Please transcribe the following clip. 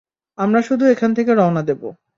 আমরা শুধু এখান থেকে রওনা দেবো।